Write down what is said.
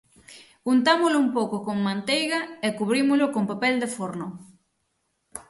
Untámolo un pouco con manteiga e cubrímolo con papel de forno.